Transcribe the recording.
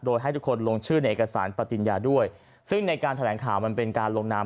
โดยให้ทุกคนลงชื่อในเอกสารปฏิญญาด้วยซึ่งในการแถลงข่าวมันเป็นการลงนาม